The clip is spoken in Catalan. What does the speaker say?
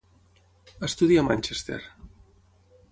Estudia a Manchester.